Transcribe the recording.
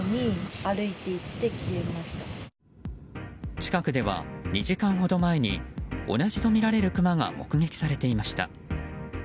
近くでは２時間ほど前に同じとみられるクマが目撃されていました。